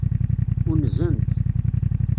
Unzent.